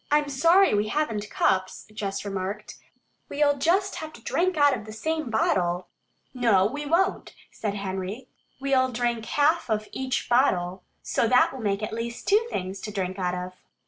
"I'm sorry we haven't cups," Jess remarked. "We'll just have to drink out of the same bottle." "No, we won't," said Henry. "We'll drink half of each bottle, so that will make at least two things to drink out of."